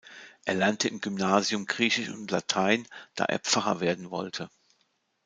Er lernte im Gymnasium Griechisch und Latein, da er Pfarrer werden wollte.